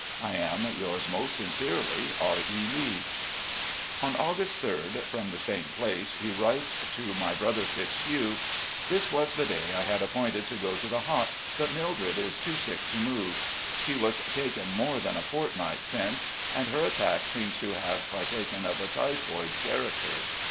... I am, "Yours most sincerely, R. E. Lee." 322 RECOLLECTIONS OF GENERAL LEE On August 3d, from the same place, he writes to my brother Fitzhugh; .. this was the day I had appointed to go to the Hot, but Mildred is too sick to move. She was taken more than a fortnight since, .,. and her attack seems to have partaken of a typhoid character.